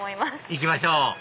行きましょう！